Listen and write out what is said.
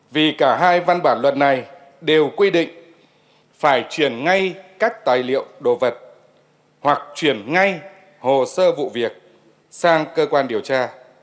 vì cả hai văn bản luật này đều quy định phải chuyển ngay các tài liệu đồ vật hoặc chuyển ngay hồ sơ vụ việc sang cơ quan điều tra